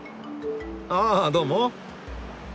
あどうも！